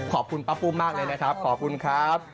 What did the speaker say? ขอบคุณป้าปุ้มมากเลยนะครับขอบคุณครับ